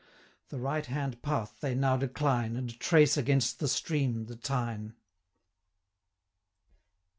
190 The right hand path they now decline, And trace against the stream the Tyne. X.